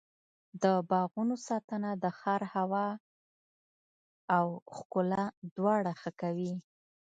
د باغونو ساتنه د ښار هوا او ښکلا دواړه ښه کوي.